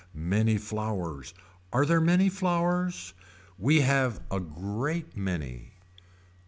Many flowers. Are there many flowers. We have a great many.